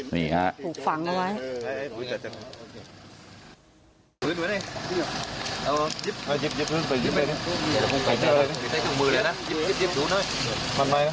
นี่ฮะถูกฝังเอาไว้